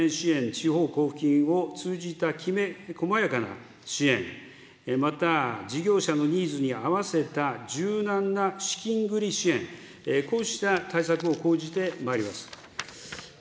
地方交付金を通じた、きめ細やかな支援、また事業者のニーズに合わせた柔軟な資金繰り支援、こうした対策を講じてまいります。